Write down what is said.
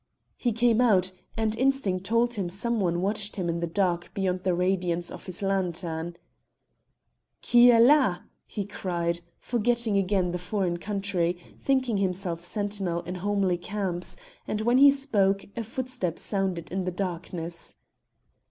He came out, and instinct told him some one watched him in the dark beyond the radiance of his lantern. "Qui est la?" he cried, forgetting again the foreign country, thinking himself sentinel in homely camps, and when he spoke a footstep sounded in the darkness.